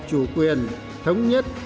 chủ quyền thống nhất